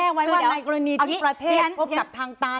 ก็แก้ไว้ว่าในกรณีที่ประเทศพบศัพท์ทางตาลิน